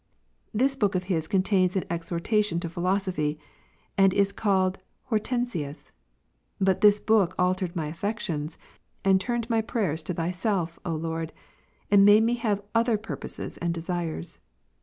This book of his contains an exhortation to philosophy, and is called " Hortensius." But this book altered my affections, and turned my prayers to Thyself, jjO Lord; and made me have other purposes and desires.